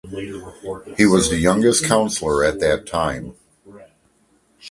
He was the youngest councillor at that time.